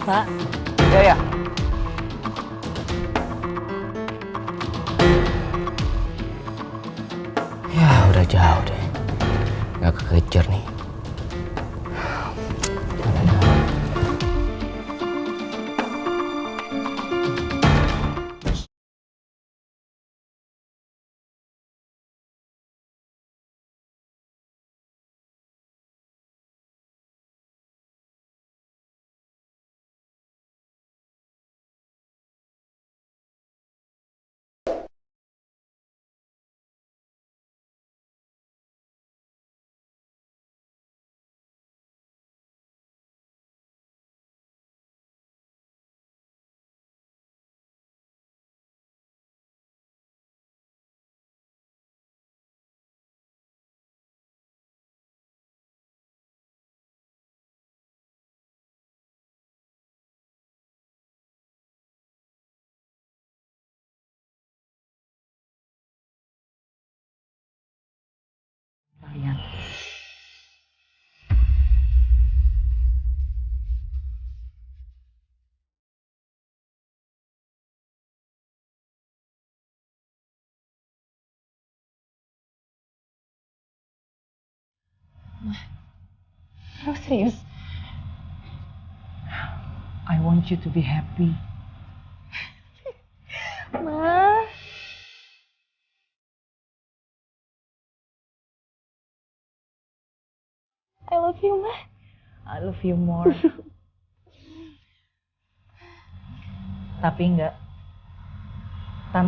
pensar enggak hati hati sih